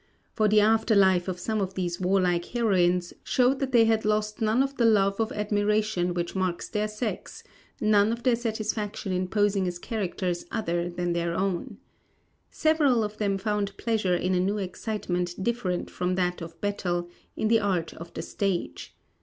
For the after life of some of these warlike heroines showed that they had lost none of the love of admiration which marks their sex, none of their satisfaction in posing as characters other than their own. Several of them found pleasure in a new excitement different from that of battle, in the art of the stage.